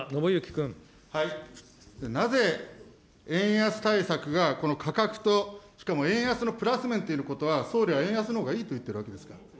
なぜ円安対策がこの価格と、しかも円安のプラス面ということは、総理は円安のほうがいいと言っているわけですか。